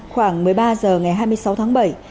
khoảng một mươi ba h ngày hai mươi sáu tháng bảy